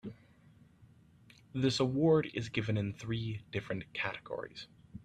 This award is given in three different categories.